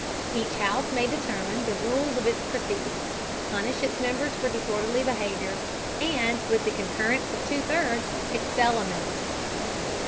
Each House may determine the Rules of its Proceedings, punish its Members for disorderly Behaviour, and, with the Concurrence of two thirds, expel a member.